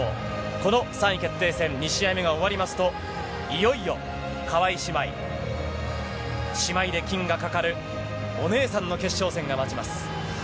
この３位決定戦２試合目が終わりますと、いよいよ川井姉妹、姉妹で金がかかる、お姉さんの決勝戦が待ちます。